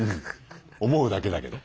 思うだけだけど。